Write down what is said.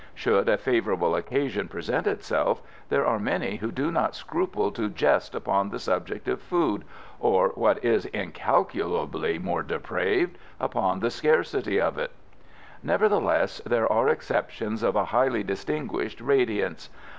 Should a favourable occasion present itself, there are many who do not scruple to jest upon the subject of food, or, what is incalculably more depraved, upon the scarcity of it. Nevertheless, there are exceptions of a highly distinguished radiance.